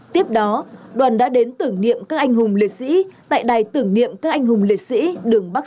tiếp đó đoàn đã đến tưởng niệm các anh hùng liệt sĩ tại đài tưởng niệm các anh hùng liệt sĩ đường bắc